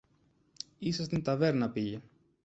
Ίσα στην ταβέρνα πήγε.